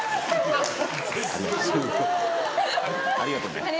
ありがとうございます。